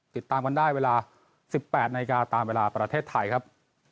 ติดตามกันได้เวลา๑๘นาฬิกาตามเวลาประเทศไทยครับ